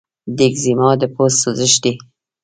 د ایکزیما د پوست سوزش دی.